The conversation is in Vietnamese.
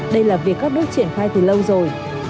đây là việc các nước triển khai từ lâu rồi